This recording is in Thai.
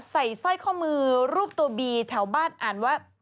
สร้อยข้อมือรูปตัวบีแถวบ้านอ่านว่า